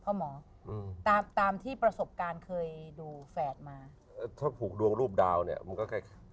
หมออืมตามตามที่ประสบการณ์เคยดูแฝดมาถ้าผูกดวงรูปดาวเนี่ยมันก็คล้าย